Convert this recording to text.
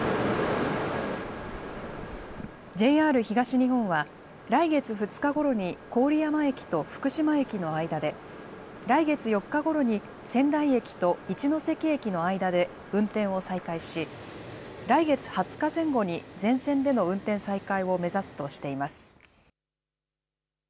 ＪＲ東日本は、来月２日ごろに郡山駅と福島駅の間で、来月４日ごろに仙台駅と一ノ関駅の間で、運転を再開し、来月２０日前後に、全線での運転再開を目指すとしています。